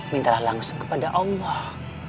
mintalah langsung kepada allah